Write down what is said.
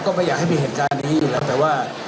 ก็ไม่อยากให้มีเหตุการณ์นี้อยู่แล้วแต่ว่า